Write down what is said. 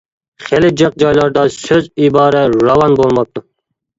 خېلى جىق جايلاردا سۆز-ئىبارە راۋان بولماپتۇ.